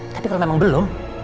tapi kalau memang belum